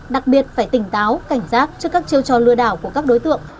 đặc biệt phải tỉnh táo cảnh giác trước các chiêu trò lừa đảo của các đối tượng